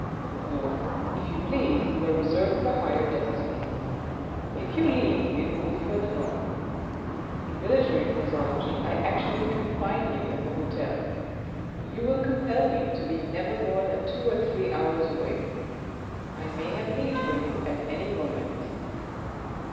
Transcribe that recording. " No, if you please, you are reserved for higher destinies. If you leave it will be for the North. ... In military phraseology I actually confine you in the hotel. You will compel me to be never more than two or three hours away. I may have need of you at any moment."